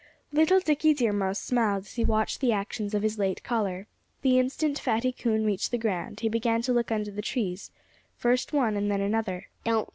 Little Dickie Deer Mouse smiled as he watched the actions of his late caller. The instant Fatty Coon reached the ground he began to look under the trees first one and then another.